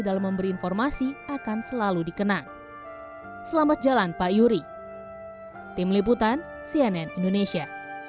dalam memberi informasi akan selalu dikenang selamat jalan pak yuri tim liputan cnn indonesia